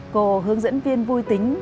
cô hướng dẫn viên vui tính